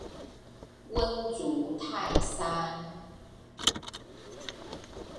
穩如泰山